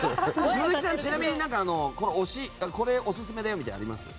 鈴木さんちなみにこれオススメだよみたいなのあります？